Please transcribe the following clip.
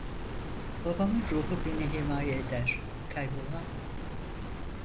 Babamın ruhu beni himaye eder, kaybolmam…